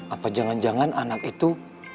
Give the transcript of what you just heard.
apa jangan jangan anak itu